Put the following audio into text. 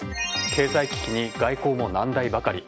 経済危機に外交も難題ばかり。